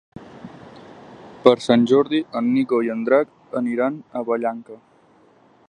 Per Sant Jordi en Nico i en Drac aniran a Vallanca.